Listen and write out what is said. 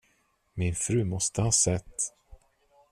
Min fru måste ha sett.